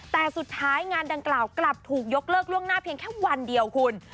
แต่สุดท้ายงานดังกล่าวกลับถูกยกเลิกล่วงหน้าเพียงแค่วันเดียวคุณ